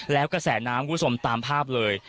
แล้วกระแสน้ำกุศมตามภาพเลย